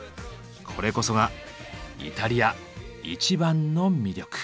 これこそがイタリア一番の魅力！